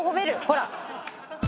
ほら。